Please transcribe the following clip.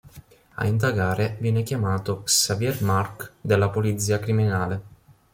A indagare viene chiamato Xavier March della polizia criminale.